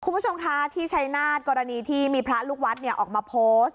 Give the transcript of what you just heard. คุณผู้ชมคะที่ชัยนาฏกรณีที่มีพระลูกวัดออกมาโพสต์